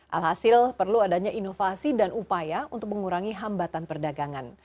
alhasil perlu adanya inovasi dan upaya untuk mengurangi hambatan perdagangan